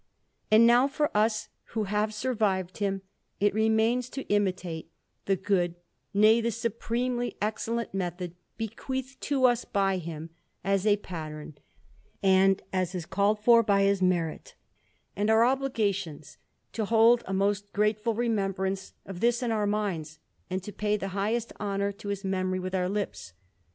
And now for us who have survived him, it remains to imitate the good, nay, the supremely excellent method bequeathed to us by him as a pattern, and, as is called for by his merit and our obligations, to hold a most grateful remembrance of this in our minds, and to pay the highest honour to his memory with our lips.